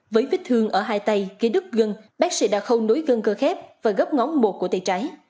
với vết thương ở hai tay kế đứt gân bác sĩ đã khâu nối gân cơ khép và góp ngón một của tay trái